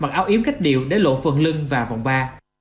mặc áo yếm cách điệu để lộ phần lưng và vòng ba